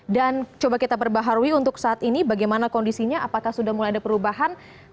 dan coba kita berbaharui untuk saat ini bagaimana kondisinya apakah sudah mulai ada perubahan